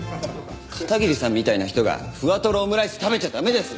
片桐さんみたいな人がふわとろオムライス食べちゃ駄目です！